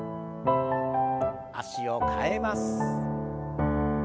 脚を替えます。